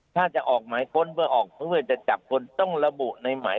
ถ้าจะออกหมายค้นเพื่อออกเพื่อจะจับคนต้องระบุในหมาย